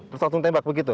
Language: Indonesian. terus langsung tembak begitu